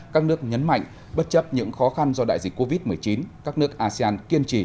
các nước nhấn mạnh bất chấp những khó khăn do đại dịch covid một mươi chín các nước asean kiên trì